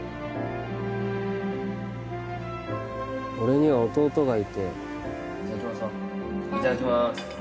俺には弟がいていただきますは？